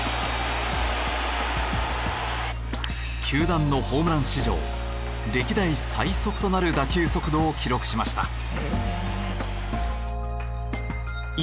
球団のホームラン史上歴代最速となる打球速度を記録しました。